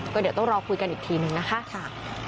ก็เดี๋ยวต้องรอคุยกันอีกทีนึงนะคะ